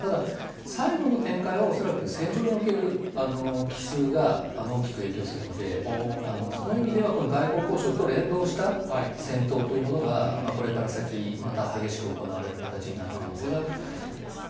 ただ、最後の展開は、恐らく戦場における帰すうが大きく影響するので、その意味では、外交交渉と連動した戦闘というものが、これから先、また激しく行われる形になる可能性があると思います。